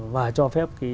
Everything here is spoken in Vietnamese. và cho phép